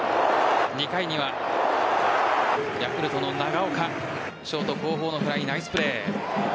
２回にはヤクルトの長岡ショート後方のフライナイスプレー。